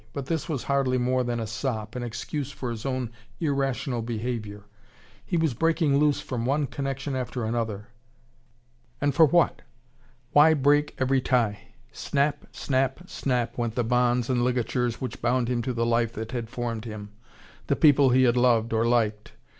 But this was hardly more than a sop, an excuse for his own irrational behaviour. He was breaking loose from one connection after another; and what for? Why break every tie? Snap, snap, snap went the bonds and ligatures which bound him to the life that had formed him, the people he had loved or liked.